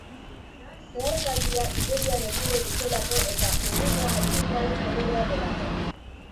Zeharkaldia igerian egingo dutelako eta urdina autismoaren kolorea delako.